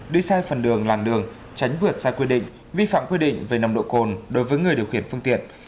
đi sai phần đường làn đường tránh vượt sai quy định vi phạm quy định về nồng độ cồn đối với người điều khiển phương tiện